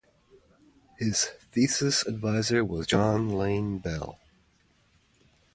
His thesis advisor was John Lane Bell.